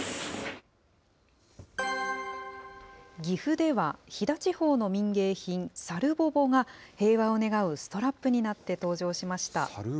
岐阜では、飛騨地方の民芸品、さるぼぼが、平和を願うストラップになって登場しました。